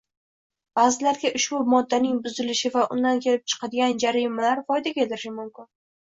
«Ba'zilarga ushbu moddaning buzilishi va undan kelib chiqadigan jarimalar foyda keltirishi mumkin.